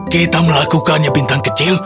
kita melakukannya bintang kecil